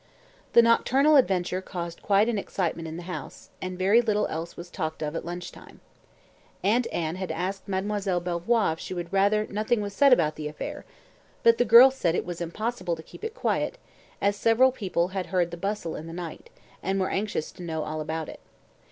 The nocturnal adventure caused quite an excitement in the house, and very little else was talked of at lunch time. Aunt Anne had asked Mademoiselle Belvoir if she would rather nothing was said about the affair; but the girl said it was impossible to keep it quiet, as several people had heard the bustle in the night, and were anxious to know all about it.